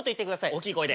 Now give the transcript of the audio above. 大きい声で。